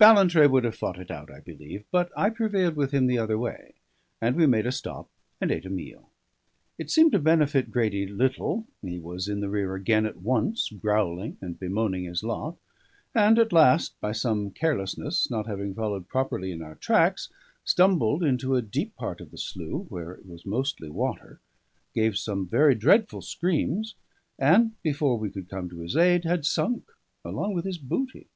Ballantrae would have fought it out, I believe; but I prevailed with him the other way; and we made a stop and ate a meal. It seemed to benefit Grady little; he was in the rear again at once, growling and bemoaning his lot; and at last, by some carelessness, not having followed properly in our tracks, stumbled into a deep part of the slough where it was mostly water, gave some very dreadful screams, and before we could come to his aid had sunk along with his booty.